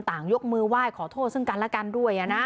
ต่างยกมือไหว้ขอโทษซึ่งกันละกันด้วย